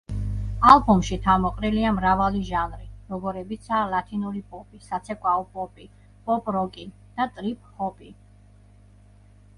ალბომში თავმოყრილია მრავალი ჟანრი როგორებიცაა: ლათინური პოპი, საცეკვაო პოპი, პოპ როკი და ტრიპ ჰოპი.